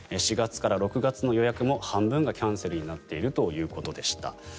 ４月から６月の予約も半分がキャンセルになっているということでした。